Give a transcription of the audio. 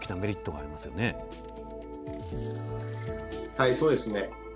はいそうですね。